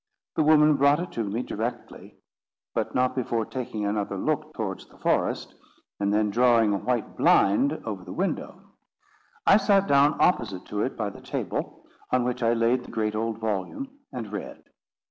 The woman brought it to me directly, but not before taking another look towards the forest, and then drawing a white blind over the window. I sat down opposite to it by the table, on which I laid the great old volume, and read.